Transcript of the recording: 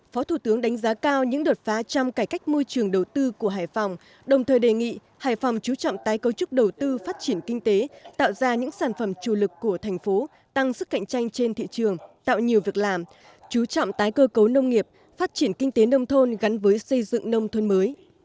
phó thủ tướng đánh giá cao những đột phá trong cải cách môi trường đầu tư của hải phòng đồng thời đề nghị hải phòng chú trọng tái cấu trúc đầu tư phát triển kinh tế tạo ra những sản phẩm chủ lực của thành phố tăng sức cạnh tranh trên thị trường tạo nhiều việc làm chú trọng tái cơ cấu nông nghiệp phát triển kinh tế nông thôn gắn với xây dựng nông thôn mới